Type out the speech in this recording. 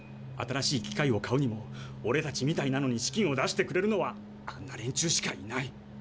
新しい機械を買うにもオレたちみたいなのに資金を出してくれるのはあんな連中しかいない。